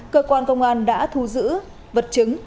cơ quan công an đã thu giữ vật chứng